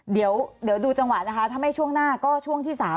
เดี๋ยวดูจังหวะนะคะถ้าไม่ช่วงหน้าก็ช่วงที่๓